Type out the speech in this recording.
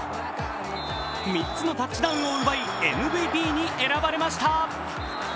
３つのタッチダウンを奪い、ＭＶＰに選ばれました。